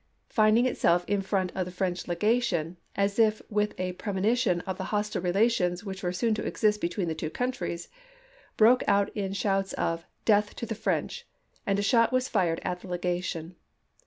finding itself in front of the French legation, as if with a premonition of the hostile relations which were soon to exist between the two countries, broke out in shouts of " death to the French," and a shot was fired at the legation.